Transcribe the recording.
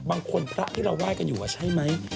พระที่เราไหว้กันอยู่ใช่ไหม